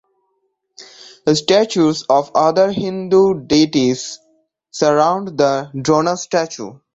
Statues of other Hindu deities surround the Drona statue.